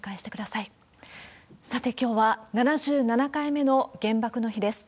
さて、きょうは７７回目の原爆の日です。